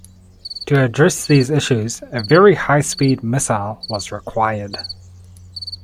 To address these issues, a very high speed missile was required.